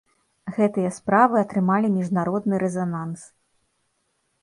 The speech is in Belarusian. Гэтыя справы атрымалі міжнародны рэзананс.